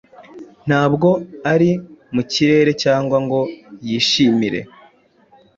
Ntabwo ari mu kirere cyangwa ngo yishimire